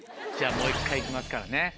じゃあもう１回行きますからね。